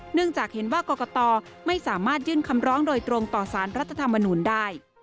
เนื่องจากเห็นว่ากรกตไม่สามารถยื่นคำร้องโดยตรงต่อสารรัฐธรรมนูลได้